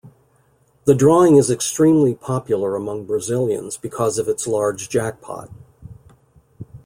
The drawing is extremely popular among Brazilians because of its large jackpot.